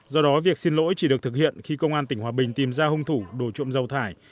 do đó việc xin lỗi chỉ được thực hiện khi công an tỉnh hòa bình tìm ra hung thủ đồ trộm dầu thải